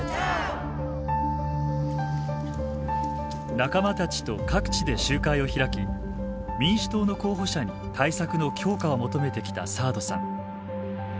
仲間たちと各地で集会を開き民主党の候補者に対策の強化を求めてきたサードさん。